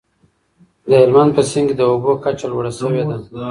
د هلمند په سیند کي د اوبو کچه لوړه سوې ده.